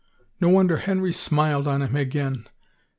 No wonder Henry smiled on him again.